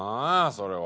それは。